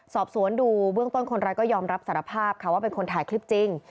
สอบสวนดูเบื้องต้นคนร้ายก็ยอมรับสารภาพค่ะว่าเป็นคนถ่ายคลิปจริง